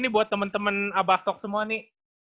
ini buat temen temen abastok semua nih